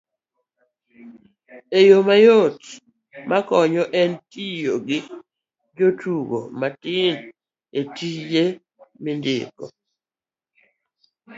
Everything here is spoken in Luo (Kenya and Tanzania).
yo mayot makonyo en tiyo gi jotugo matin e tiji mindiko